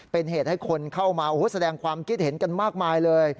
เป็นเหตุให้คนเข้ามาแสดงความคิดเห็นกันมากมายเลย